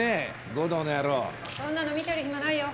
護道の野郎そんなの見てる暇ないよ